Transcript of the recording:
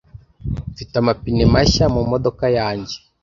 Mfite amapine mashya mumodoka yanjye.